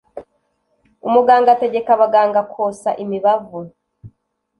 umuganga ategeka abaganga kosa imibavu